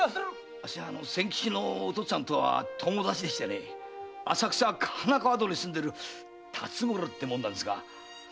あっしは千吉のお父っつぁんとは友達でして浅草花川戸に住んでる辰五郎という者ですが。